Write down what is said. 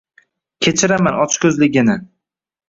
Kechiraman ochko’zligini.